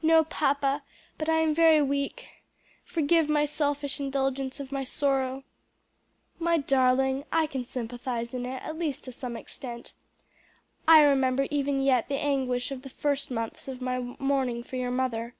"No, papa, but I am very weak. Forgive my selfish indulgence of my sorrow." "My darling, I can sympathize in it, at least to some extent. I remember even yet the anguish of the first months of my mourning for your mother."